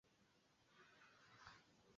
Mbio za sakafuni.